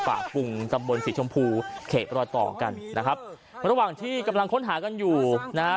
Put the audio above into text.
กุงตำบลสีชมพูเขตรอยต่อกันนะครับระหว่างที่กำลังค้นหากันอยู่นะฮะ